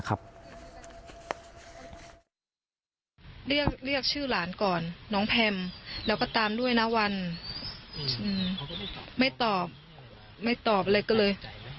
เรียกชื่อหลานก่อนน้องแพมแล้วก็ตามด้วยนะวันไม่ตอบไม่ตอบอะไรก็เลย